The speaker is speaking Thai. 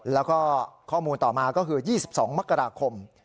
แล้วก็ข้อมูลต่อมาก็คือ๒๒มกราคม